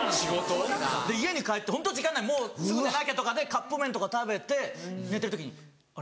・家に帰ってホント時間ないもうすぐ寝なきゃとかでカップ麺とか食べて寝てる時にあれ？